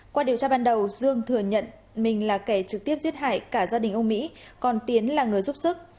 qua điều tra ban đầu dương thừa nhận mình là kẻ trực tiếp giết hại cả gia đình ông mỹ còn tiến là người giúp sức